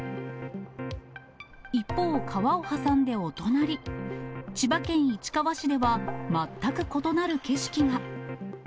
一方、川を挟んでお隣、千葉県市川市では全く異なる景色が。